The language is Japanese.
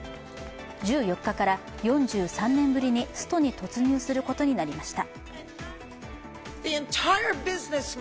１４日から４３年ぶりにストに突入することにしました。